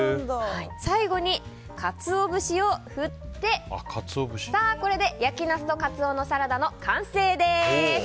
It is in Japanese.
最後にカツオ節を振って、これで焼きナスとカツオのサラダの完成です。